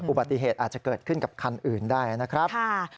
อุบัติเหตุอาจจะเกิดขึ้นกับคันอื่นได้นะครับ